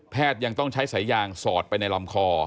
แพทย์ที่ยังต้องใช้ไสยางสอดไปในลำคอ